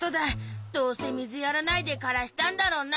どうせみずやらないでからしたんだろうな。